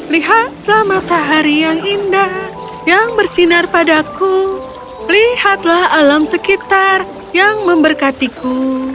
lihatlah matahari yang indah yang bersinar padaku lihatlah alam sekitar yang memberkatiku